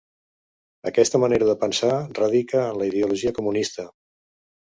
Aquesta manera de pensar radica en la ideologia comunista.